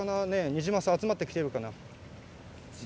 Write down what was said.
ニジマス集まってきているかな。